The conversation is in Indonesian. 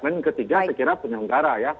dan ketiga saya kira penyelenggara ya